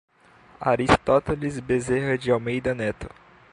Aristoteles Bezerra de Almeida Neto